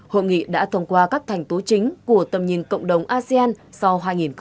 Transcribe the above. hội nghị đã thông qua các thành tố chính của tầm nhìn cộng đồng asean sau hai nghìn hai mươi năm